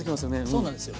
そうなんですよ。